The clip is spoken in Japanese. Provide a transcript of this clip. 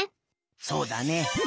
そうだね。